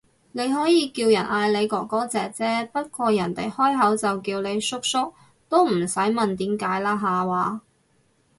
你可以叫人嗌你哥哥姐姐，不過人哋開口就叫你叔叔，都唔使問點解啦下話